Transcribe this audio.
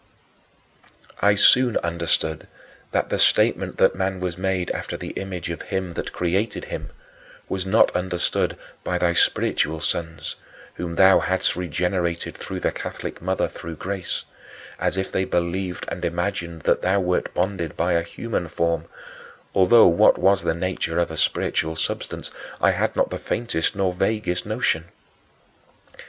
I soon understood that the statement that man was made after the image of Him that created him was not understood by thy spiritual sons whom thou hadst regenerated through the Catholic Mother through grace as if they believed and imagined that thou wert bounded by a human form, although what was the nature of a spiritual substance I had not the faintest or vaguest notion.